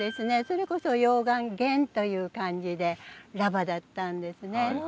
それこそ溶岩原という感じで「ラバ」だったんですね。